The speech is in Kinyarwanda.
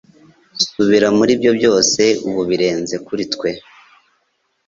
Subira muri ibyo byose ubu birenze kuri twe,